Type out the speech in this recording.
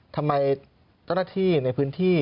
ทำไมเธอและที่ในพื้นที่